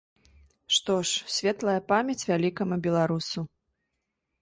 Што ж, светлая памяць вялікаму беларусу.